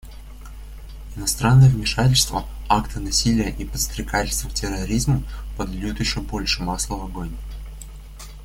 Иностранное вмешательство, акты насилия и подстрекательство к терроризму подольют еще больше масла в огонь.